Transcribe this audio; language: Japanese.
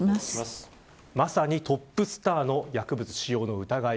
まさにトップスターの薬物使用の疑い